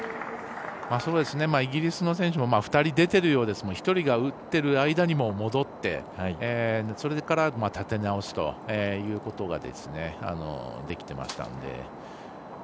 イギリスの選手も２人出てるようですので１人が打っている間に戻ってそれから立て直すということができてましたので。